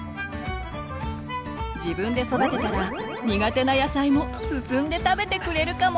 自分で育てたら苦手な野菜も進んで食べてくれるかも！